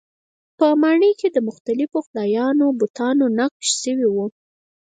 په ماڼۍ کې د مختلفو خدایانو بتان نقش شوي وو.